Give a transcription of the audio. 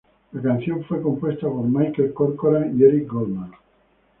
La canción fue compuesta por Michael Corcoran y Eric Goldman.